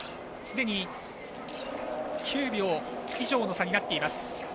すでに９秒以上の差になっています。